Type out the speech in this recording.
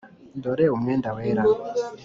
dore umwenda wera,